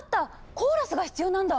コーラスが必要なんだ！